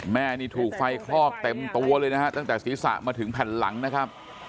แม่นี่ถูกไฟคลอกเต็มตัวเลยนะฮะตั้งแต่ศีรษะมาถึงแผ่นหลังนะครับ